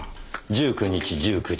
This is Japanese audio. １９日１９時。